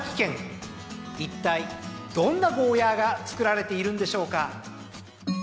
いったいどんなゴーヤーが作られているんでしょうか。